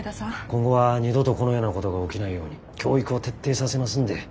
今後は二度とこのようなことが起きないように教育を徹底させますんで。